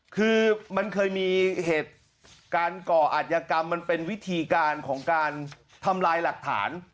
คือมันเคยมีเหตุการณ์ก่ออาจยกรรมมันเป็นวิธีการของการทำลายหลักฐาน